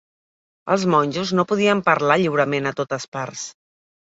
Els monjos no podien parlar lliurement a totes parts.